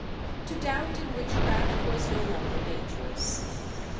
To doubt in witchcraft was no longer dangerous.